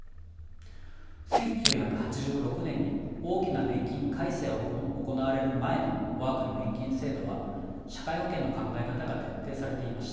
１９８６年に大きな年金改正が行われる前の我が国の年金制度は社会保険の考え方が徹底されていました。